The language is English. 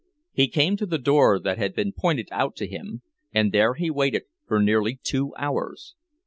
He came to the door that had been pointed out to him, and there he waited for nearly two hours.